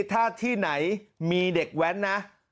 ท่าที่ไหนมีเด็กแว้น